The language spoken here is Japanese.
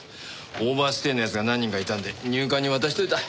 オーバーステイの奴が何人かいたんで入管に渡しといた。